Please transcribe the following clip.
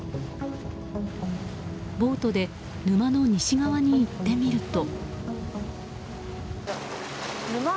ボートで沼の西側に行ってみると。